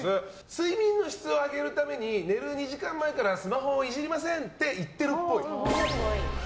睡眠の質を上げるために寝る２時間前からスマホをいじりませんって言ってるっぽい。